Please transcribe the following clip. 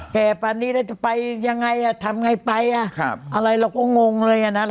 แก่ปันนี้แล้วจะไปยังไงอ่ะทำไงไปอ่ะครับอะไรเราก็งงเลยอ่ะนะ